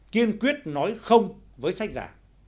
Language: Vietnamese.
kiên quyết nói không với sách giả